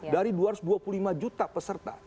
dari dua ratus dua puluh lima juta peserta